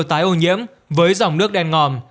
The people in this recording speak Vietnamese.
tái ô nhiễm với dòng nước đen ngòm